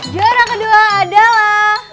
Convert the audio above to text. juara kedua adalah